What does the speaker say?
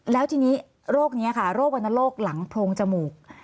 แล้วทีนี้โรคนี้ค่ะโรควรรณโรคหลังโพรงจมูก